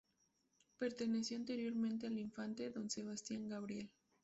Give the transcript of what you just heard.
Perteneció anteriormente al infante don Sebastián Gabriel.